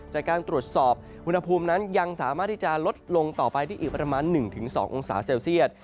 จากการตรวจสอบอุณหภูมินั้นยังสามารถที่จะลดลงต่อไปได้อีกประมาณ๑๒องศาเซลเซียต